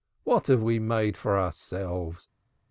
What! Have we made ourselves?